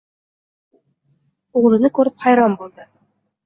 O‘g‘lini ko‘rib hayron bo‘ldi.